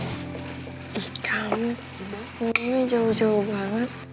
ih kamu mau ini jauh jauh banget